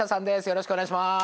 よろしくお願いします。